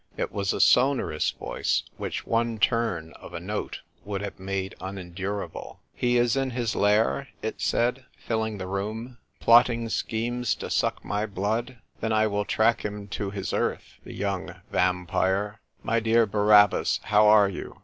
It was a sonor ous voice, which one turn of a note would have made unendurable. "He is in his lair?" it said, filling the room. " Plotting schemes to suck my blood ? Then I will track him to his earth — the young vampire. My dear Barabbas, how are you